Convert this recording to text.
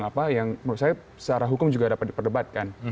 menurut saya secara hukum juga dapat diperdebatkan